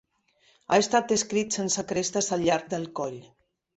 Ha estat descrit sense crestes al llarg del coll.